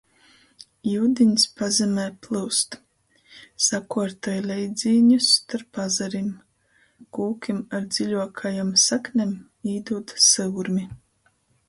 Iudiņs pazemē plyust, sakuortoj leidzīņus storp azarim, kūkim ar dziļuokajom saknem īdūd syurmi.